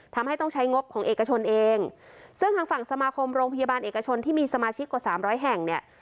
ทำให้ต้องใช้งบของเอกชนเองซึ่งทางฝั่งสมาคมโรงพยาบาลเอกชนที่มีสมาชิกกว่าสามร้อยแห่งเนี่ย